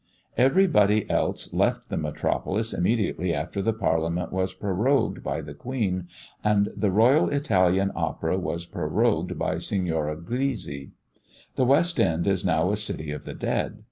Every body else left the metropolis immediately after the Parliament was prorogued by the Queen, and the Royal Italian Opera was prorogued by Signora Grisi. The West end is now a city of the dead.